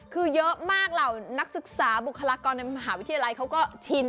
คือเยอะมากเหล่านักศึกษาบุคลากรในมหาวิทยาลัยเขาก็ชิน